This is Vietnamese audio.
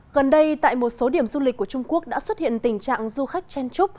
gần đây tại một số điểm du lịch của trung quốc đã xuất hiện tình trạng du khách chen trúc